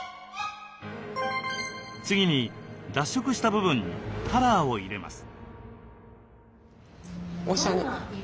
次に脱色した部分にカラーを入れます。